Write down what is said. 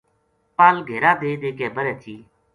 پل گھیرا دے دے کے برے تھی۔